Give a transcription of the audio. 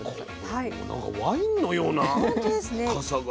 これなんかワインのような深さが。